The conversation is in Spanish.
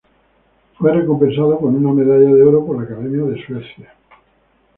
Fue recompensado con una medalla de oro por la Academia de Suecia.